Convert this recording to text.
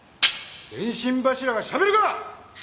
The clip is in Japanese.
電信柱がしゃべるか！